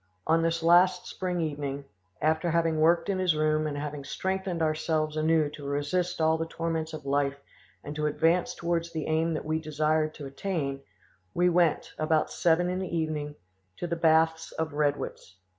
On this last spring evening, after having worked in his room and having strengthened ourselves anew to resist all the torments of life and to advance towards the aim that we desired to attain; we went, about seven in the evening, to the baths of Redwitz.